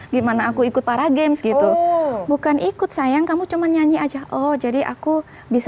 gimana aku ikut para games gitu bukan ikut sayang kamu cuman nyanyi aja oh jadi aku bisa